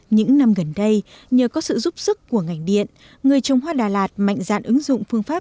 những năm gần đây nhờ có sự giúp sức của ngành điện người trồng hoa đà lạt mạnh dạn ứng dụng phương pháp